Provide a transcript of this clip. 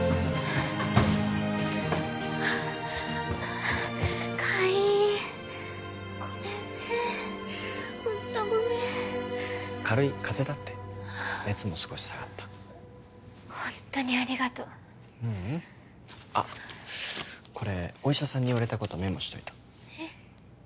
あっ海ごめんねホントごめん軽い風邪だって熱も少し下がったホントにありがとうううんあっこれお医者さんに言われたことメモしといたえっ？